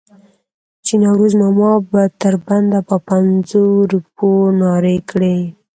چې نوروز ماما به تر بنده په پنځو روپو نارې کړې.